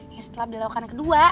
yang setelah dilakukan kedua